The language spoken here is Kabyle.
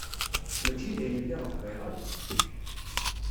Mačči d ayen lliɣ bɣiɣ akk.